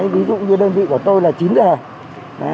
ví dụ như đơn vị của tôi là chín giờ